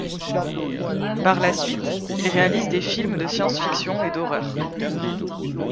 Par la suite, il réalise des films de science fiction et d'horreur.